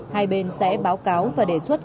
hai bên sẽ báo cáo và đề xuất